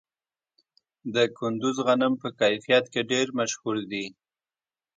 د کندز غنم په کیفیت کې ډیر مشهور دي.